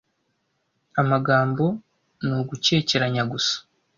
Amagambo ni ugukekeranya gusa